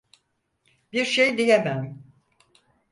Bir şey diyemem.